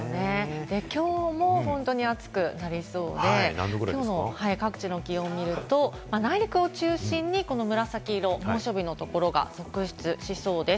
きょうも本当に暑くなりそうで、きょうの各地の気温を見ると、内陸を中心にこの紫色、猛暑日のところが続出しそうです。